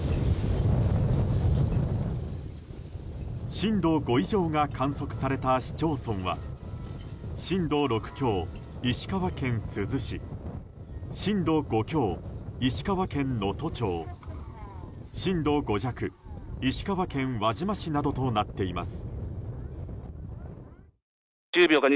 震度５以上が観測された市町村は震度６強、石川県珠洲市震度５強、石川県能登町震度５弱、石川県輪島市などとなっています。